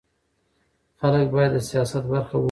خلک باید د سیاست برخه واوسي